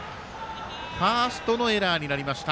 ファーストのエラーになりました。